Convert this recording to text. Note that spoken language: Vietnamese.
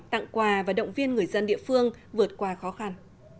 tặng quà và động viên người dân địa phương vượt qua khó khăn